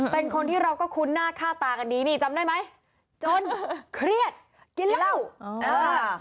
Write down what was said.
เป็นคนที่เราก็คุ้นหน้าค่าตากันดีนี่จำได้ไหมจนเครียดกินเหล้าอ๋อ